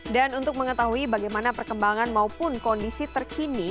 dan untuk mengetahui bagaimana perkembangan maupun kondisi terkini